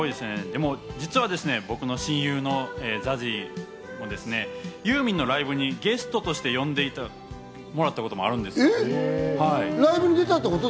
でも実は僕の親友のＺＡＺＹもですね、ユーミンのライブにゲストとして呼んでもらったこともライブに出たってこと？